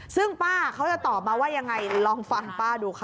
ซึ่งป้าเขาจะตอบมาว่ายังไงลองฟังป้าดูค่ะ